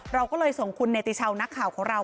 เราก็เลยส่งคุณเนติชาวนักข่าวของเรา